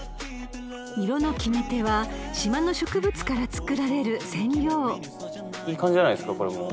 ［色の決め手は島の植物から作られる染料］いい感じじゃないですか？